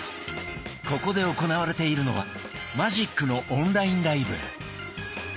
ここで行われているのはマジックのオンラインライブ。